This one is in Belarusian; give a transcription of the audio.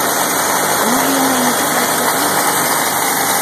А можа яна і не такая сляпая?